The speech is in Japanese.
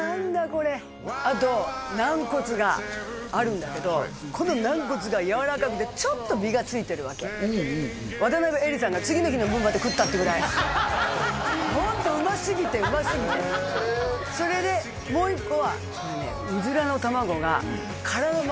これあと軟骨があるんだけどこの軟骨がやわらかくてちょっと身がついてるわけ渡辺えりさんが次の日の分まで食ったってぐらいホントうますぎてうますぎてそれでもう一個はこれねえっ！？